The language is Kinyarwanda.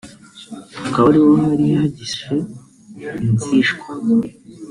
hakaba ari ho hari hagishe Inzishwa